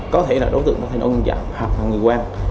có thể là đối tượng có thể nội dạng hoặc là người quen